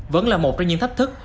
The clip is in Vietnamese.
vẫn là một trong những thách thức